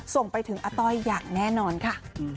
ส่งไปถึงอาต้อยอย่างแน่นอนค่ะ